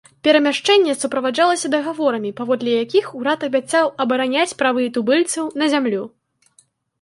Перамяшчэнне суправаджалася дагаворамі, паводле якіх урад абяцаў абараняць правы тубыльцаў на зямлю.